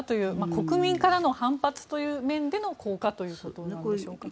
国民からの反発という面での効果ということなんでしょうか。